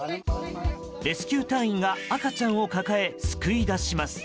レスキュー隊員が赤ちゃんを抱え救い出します。